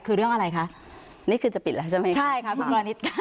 คือเรื่องอะไรคะนี่คือจะปิดแล้วใช่ไหมคะใช่ค่ะคุณพรณิตค่ะ